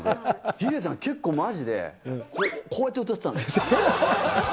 ヒデさん、結構まじで、こうやって歌ってたんですよ。